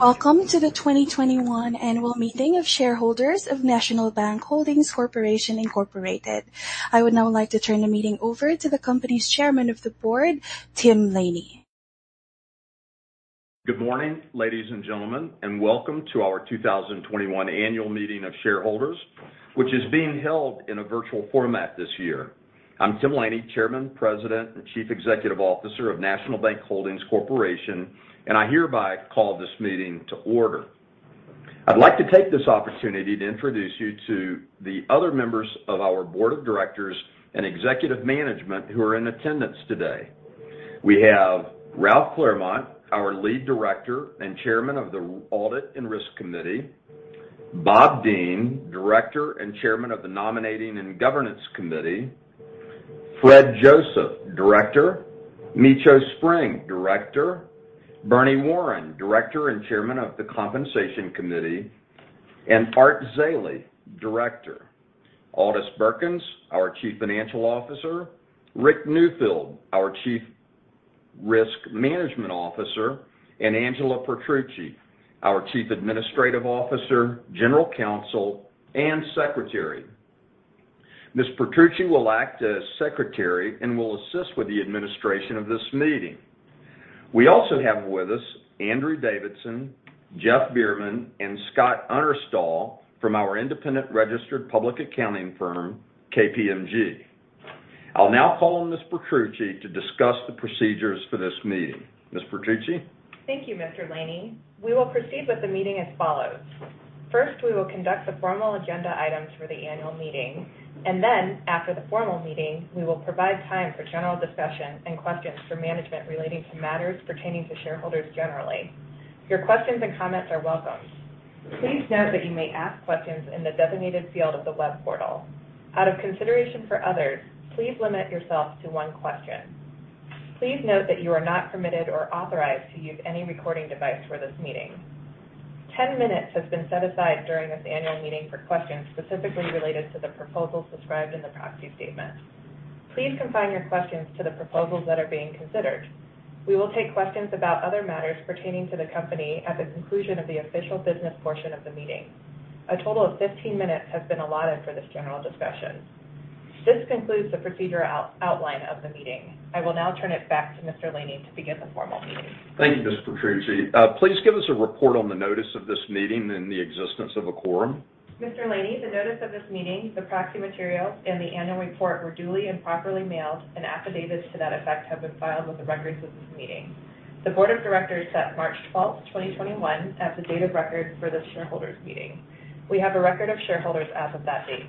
Welcome to the 2021 annual meeting of shareholders of National Bank Holdings Corporation Incorporated. I would now like to turn the meeting over to the company's Chairman of the Board, Tim Laney. Good morning, ladies and gentlemen, and welcome to our 2021 annual meeting of shareholders, which is being held in a virtual format this year. I'm Tim Laney, Chairman, President, and Chief Executive Officer of National Bank Holdings Corporation, and I hereby call this meeting to order. I'd like to take this opportunity to introduce you to the other members of our board of directors and executive management who are in attendance today. We have Ralph Clermont, our Lead Director and Chairman of the Audit and Risk Committee. Bob Dean, Director and Chairman of the Nominating and Governance Committee. Fred Joseph, Director. Micho Spring, Director. Burney Warren, Director and Chairman of the Compensation Committee. Art Zeile, Director. Aldis Birkans, our Chief Financial Officer. Richard Newfield Jr., our Chief Risk Management Officer, and Angela Petrucci, our Chief Administrative Officer, General Counsel, and Secretary. Ms. Petrucci will act as secretary and will assist with the administration of this meeting. We also have with us Andrew Davidson, Jeff Bierman, and Scott Underhill from our independent registered public accounting firm, KPMG. I'll now call on Ms. Petrucci to discuss the procedures for this meeting. Ms. Petrucci? Thank you, Mr. Laney. We will proceed with the meeting as follows. First, we will conduct the formal agenda items for the annual meeting. Then after the formal meeting, we will provide time for general discussion and questions for management relating to matters pertaining to shareholders generally. Your questions and comments are welcome. Please note that you may ask questions in the designated field of the web portal. Out of consideration for others, please limit yourself to one question. Please note that you are not permitted or authorized to use any recording device for this meeting. 10 minutes has been set aside during this annual meeting for questions specifically related to the proposals described in the proxy statement. Please confine your questions to the proposals that are being considered. We will take questions about other matters pertaining to the company at the conclusion of the official business portion of the meeting. A total of 15 minutes has been allotted for this general discussion. This concludes the procedural outline of the meeting. I will now turn it back to Mr. Laney to begin the formal meeting. Thank you, Ms. Petrucci. Please give us a report on the notice of this meeting and the existence of a quorum. Mr. Laney, the notice of this meeting, the proxy materials, and the annual report were duly and properly mailed, and affidavits to that effect have been filed with the records of this meeting. The board of directors set March 12th, 2021, as the date of record for this shareholders' meeting. We have a record of shareholders as of that date.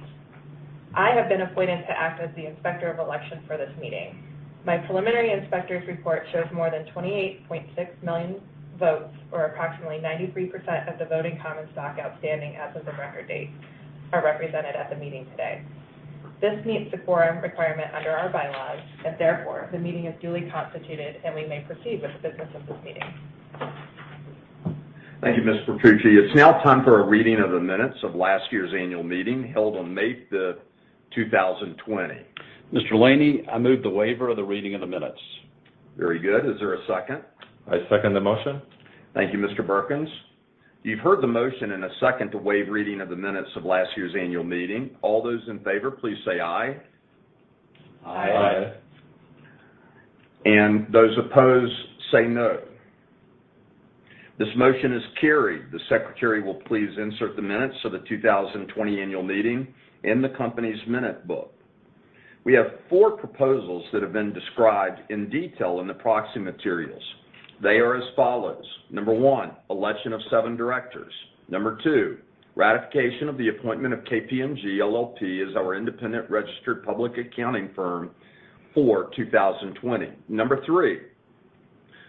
I have been appointed to act as the inspector of election for this meeting. My preliminary inspector's report shows more than 28.6 million votes, or approximately 93% of the voting common stock outstanding as of the record date, are represented at the meeting today. This meets the quorum requirement under our bylaws, and therefore, the meeting is duly constituted, and we may proceed with the business of this meeting. Thank you, Ms. Petrucci. It's now time for a reading of the minutes of last year's annual meeting held on May the fth, 2020. Mr. Laney, I move the waiver of the reading of the minutes. Very good. Is there a second? I second the motion. Thank you, Mr. Birkans. You've heard the motion and a second to waive reading of the minutes of last year's annual meeting. All those in favor, please say aye. Aye. Aye. Those opposed, say no. This motion is carried. The secretary will please insert the minutes of the 2020 annual meeting in the company's minute book. We have four proposals that have been described in detail in the proxy materials. They are as follows. Number one, election of seven directors. Number two, ratification of the appointment of KPMG LLP as our independent registered public accounting firm for 2020. Number three,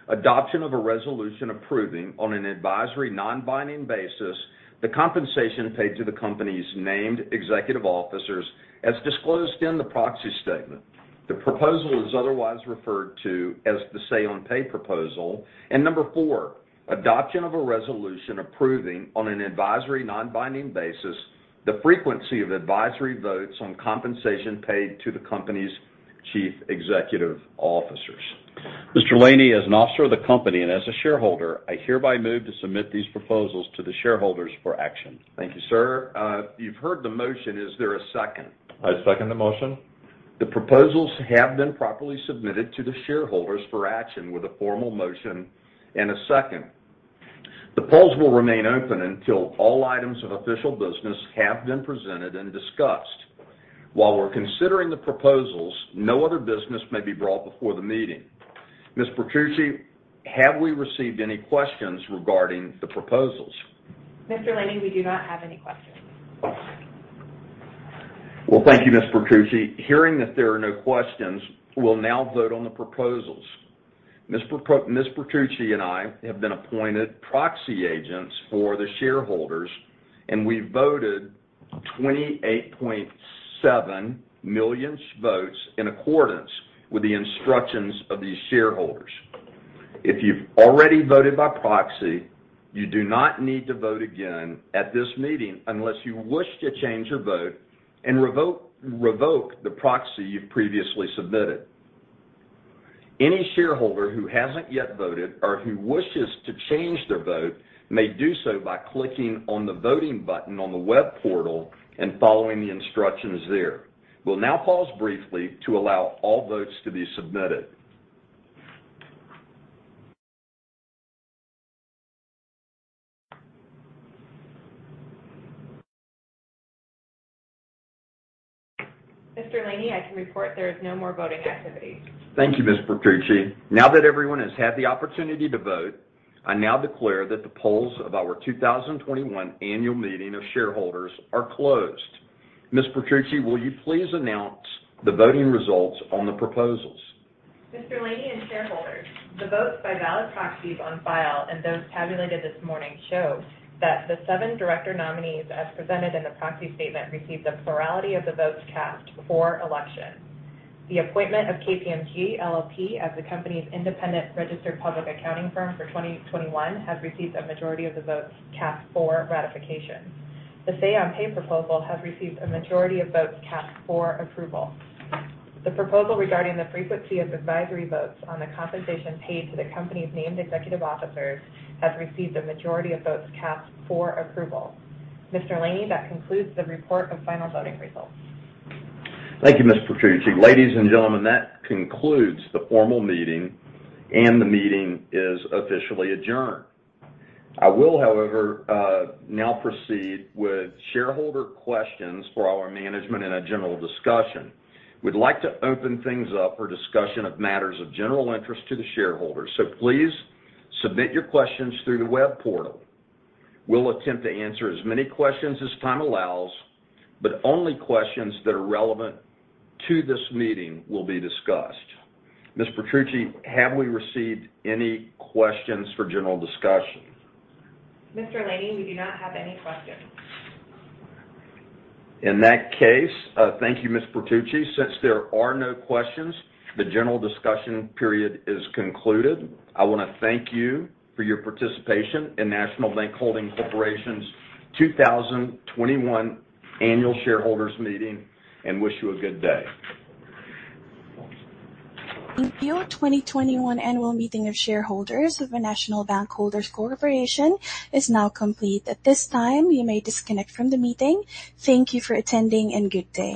adoption of a resolution approving, on an advisory non-binding basis, the compensation paid to the company's named executive officers as disclosed in the proxy statement. The proposal is otherwise referred to as the Say on Pay proposal. Number four, adoption of a resolution approving, on an advisory non-binding basis, the frequency of advisory votes on compensation paid to the company's Chief Executive Officers. Mr. Laney, as an officer of the company and as a shareholder, I hereby move to submit these proposals to the shareholders for action. Thank you, sir. You've heard the motion. Is there a second? I second the motion. The proposals have been properly submitted to the shareholders for action with a formal motion and a second. The polls will remain open until all items of official business have been presented and discussed. While we're considering the proposals, no other business may be brought before the meeting. Ms. Petrucci, have we received any questions regarding the proposals? Mr. Laney, we do not have any questions. Well, thank you, Ms. Petrucci. Hearing that there are no questions, we'll now vote on the proposals. Ms. Petrucci and I have been appointed proxy agents for the shareholders, and we voted 28.7 million votes in accordance with the instructions of these shareholders. If you've already voted by proxy, you do not need to vote again at this meeting unless you wish to change your vote and revoke the proxy you've previously submitted. Any shareholder who hasn't yet voted or who wishes to change their vote may do so by clicking on the voting button on the web portal and following the instructions there. We'll now pause briefly to allow all votes to be submitted. Mr. Laney, I can report there is no more voting activity. Thank you, Ms. Petrucci. Now that everyone has had the opportunity to vote, I now declare that the polls of our 2021 annual meeting of shareholders are closed. Ms. Petrucci, will you please announce the voting results on the proposals? Mr. Laney and shareholders, the votes by valid proxies on file and those tabulated this morning show that the seven director nominees, as presented in the proxy statement, received a plurality of the votes cast for election. The appointment of KPMG LLP as the company's independent registered public accounting firm for 2021 has received a majority of the votes cast for ratification. The Say on Pay proposal has received a majority of votes cast for approval. The proposal regarding the frequency of advisory votes on the compensation paid to the company's named executive officers has received a majority of votes cast for approval. Mr. Laney, that concludes the report of final voting results. Thank you, Ms. Petrucci. Ladies and gentlemen, that concludes the formal meeting, and the meeting is officially adjourned. I will, however, now proceed with shareholder questions for our management in a general discussion. We'd like to open things up for discussion of matters of general interest to the shareholders. Please submit your questions through the web portal. We'll attempt to answer as many questions as time allows. Only questions that are relevant to this meeting will be discussed. Ms. Petrucci, have we received any questions for general discussion? Mr. Laney, we do not have any questions. In that case, thank you, Ms. Petrucci. Since there are no questions, the general discussion period is concluded. I want to thank you for your participation in National Bank Holdings Corporation's 2021 annual shareholders meeting and wish you a good day. The 2021 annual meeting of shareholders of the National Bank Holdings Corporation is now complete. At this time, you may disconnect from the meeting. Thank you for attending, and good day.